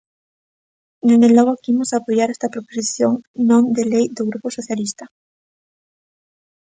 Dende logo que imos apoiar esta proposición non de lei do Grupo Socialista.